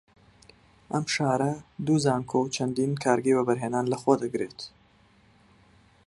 ئەم شارە دوو زانکۆ و چەندین کارگەی وەبەرهەم هێنان لە خۆ دەگرێت